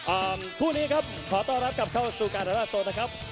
อ่าคู่นี้ครับขอต้อนรับกลับเข้าสู่การทราบโซนนะครับ